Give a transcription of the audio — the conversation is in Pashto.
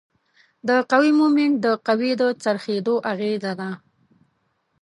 د قوې مومنټ د قوې د څرخیدو اغیزه ده.